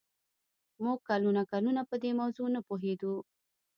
موږ کلونه کلونه په دې موضوع نه پوهېدو